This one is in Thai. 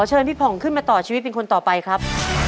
เชิญพี่ผ่องขึ้นมาต่อชีวิตเป็นคนต่อไปครับ